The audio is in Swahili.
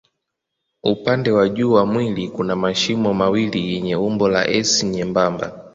Upande wa juu wa mwili kuna mashimo mawili yenye umbo la S nyembamba.